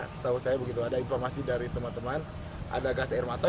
setahu saya begitu ada informasi dari teman teman ada gas air mata